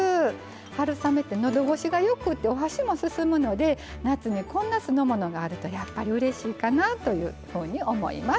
春雨ってのどごしがよくてお箸も進むので夏にこんな酢の物があるとやっぱりうれしいかなというふうに思います。